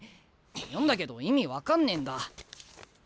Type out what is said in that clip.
読んだけど意味分かんねえんだ。